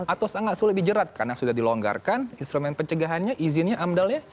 atau sangat sulit dijerat karena sudah dilonggarkan instrumen pencegahannya izinnya amdalnya